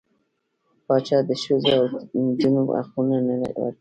پاچا د ښځو او نجونـو حقونه نه ورکوي .